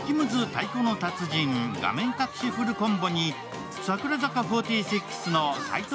「太鼓の達人」画面隠しフルコンボに櫻坂４６の齋藤